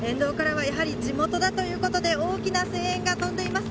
沿道からは、やはり地元だということで大きな声援が飛んでいます。